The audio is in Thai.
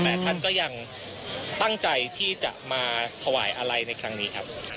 แต่ท่านก็ยังตั้งใจที่จะมาถวายอะไรในครั้งนี้ครับ